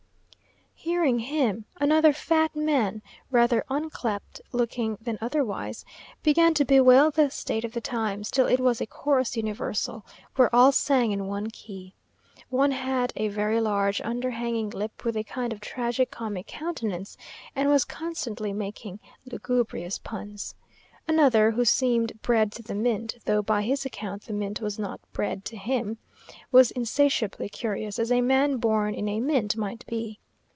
Hearing him, another fat man, rather unclipt looking than otherwise, began to bewail the state of the times, till it was a chorus universal, where all sang in one key. One had a very large, underhanging lip, with a kind of tragi comic countenance, and was constantly making lugubrious puns. Another, who seemed bred to the mint, (though by his account the mint was not bread to him,) was insatiably curious, as a man born in a mint might be.